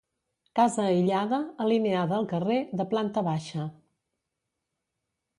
Casa aïllada, alineada al carrer, de planta baixa.